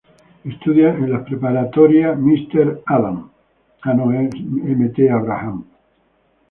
Estudia en las preparatoria Mt. Abraham.